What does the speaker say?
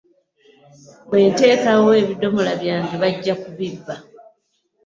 Bwe nteekawo ebidomola byange bajja kubibba.